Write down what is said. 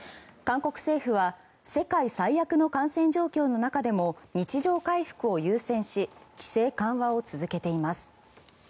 韓国政府は世界最悪の感染状況の中でも日常回復を優先し規制緩和を続けています。